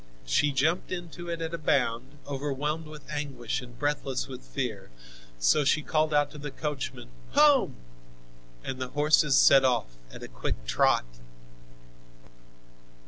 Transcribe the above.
She jumped into it at a bound, overwhelmed with anguish and breathless with fear. So she called out to the coachman: "Home!" and the horses set off at a quick trot.